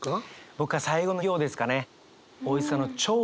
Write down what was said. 僕は最後の行ですかね。